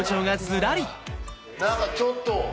何かちょっと。